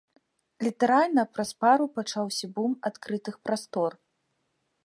Літаральна праз пару пачаўся бум адкрытых прастор.